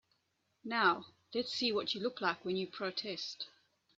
Now let's see what you look like when you protest.